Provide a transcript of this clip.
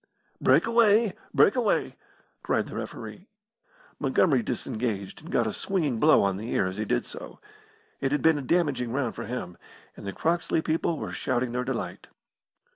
"Break away! Break away!" cried the referee. Montgomery disengaged, and got a swinging blow on the ear as he did so. It had been a damaging round for him, and the Croxley people were shouting their delight.